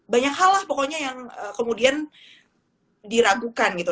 banyak hal lah pokoknya yang kemudian diragukan gitu